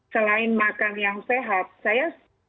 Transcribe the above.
selain makan yang sehat saya